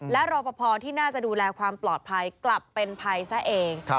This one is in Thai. และรอปภที่น่าจะดูแลความปลอดภัยกลับเป็นภัยซะเอง